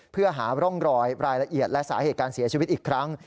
เพื่อหาร่องรอยรายละเอียดและสาเหตุการเสียชีวิตอีกครั้ง